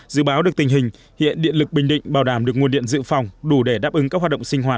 dự báo được tình hình hiện điện lực bình định bảo đảm được nguồn điện dự phòng đủ để đáp ứng các hoạt động sinh hoạt